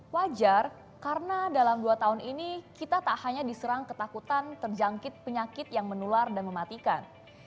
wajar karena dalam dua tahun ini kita tak hanya diserang ketakutan terjangkit penyakit yang menular dan mematikan